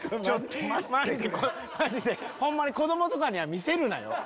マジでホンマに子供とかには見せるなよ